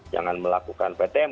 jangan melakukan ptm